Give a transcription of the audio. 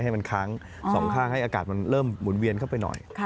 ให้มันค้างสองข้างให้อากาศมันเริ่มหมุนเวียนเข้าไปหน่อย